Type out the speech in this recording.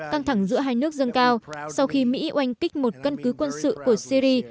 tăng thẳng giữa hai nước dâng cao sau khi mỹ oanh kích một cân cứ quân sự của syri